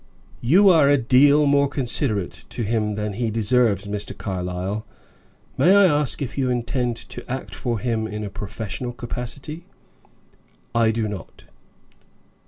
"You are a deal more considerate to him than he deserves, Mr. Carlyle. May I ask if you intend to act for him in a professional capacity?" "I do not."